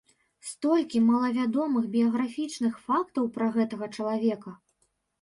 Столькі малавядомых біяграфічных фактаў пра гэтага чалавека.